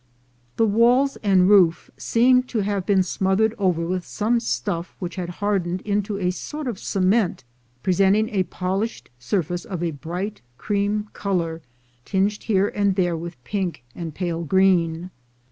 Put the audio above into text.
The walls and roof seemed to have been smothered over with some stuff which had hardened into a sort of cement, presenting a polished surface of a bright cream color, tinged here and there with pink and pale green.